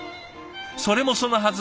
それもそのはず